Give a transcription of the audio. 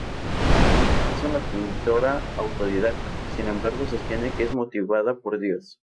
Es una pintora autodidacta, sin embargo, sostiene que es motivada por Dios.